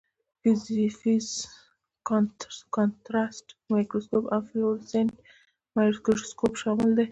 فیز کانټرسټ مایکروسکوپ او فلورسینټ مایکروسکوپ شامل دي.